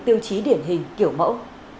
tiêu chí điển hình kiểu mẫu